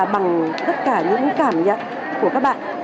bằng tất cả những cảm nhận của các bạn